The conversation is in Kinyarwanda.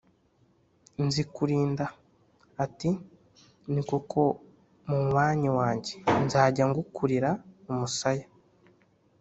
Nzikurinda ati: "Ni koko munywanyi wanjye, nzajya ngukurira umusaya"